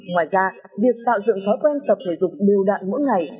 ngoài ra việc tạo dựng thói quen tập thể dục đều đạn mỗi ngày